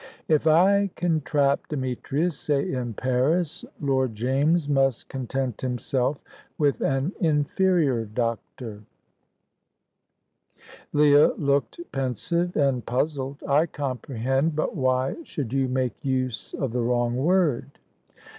If I can trap Demetrius say in Paris Lord James must content himself with an inferior doctor." Leah looked pensive and puzzled. "I comprehend; but why should you make use of the wrong word?"